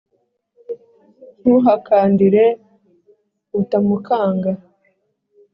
ntuhakandire utamukanga